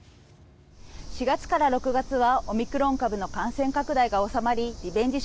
４月から６月はオミクロン株の感染拡大が収まりリベンジ